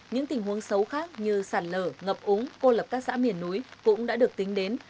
những tình huống xấu khác như sạt lở ngập úng cô lập các xã miền núi cũng đã được tính đến